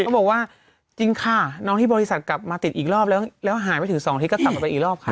เขาบอกว่าจริงค่ะน้องที่บริษัทกลับมาติดอีกรอบแล้วแล้วหายไม่ถึง๒อาทิตย์ก็กลับมาไปอีกรอบค่ะ